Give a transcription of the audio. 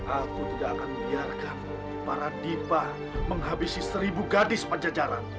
aku tidak akan membiarkan para dipa menghabisi seribu gadis pajajaran